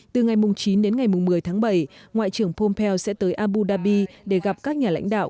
từ ngày chín đến ngày một mươi tháng bảy ngoại trưởng pompeo sẽ tới abu dhabi để gặp các nhà lãnh đạo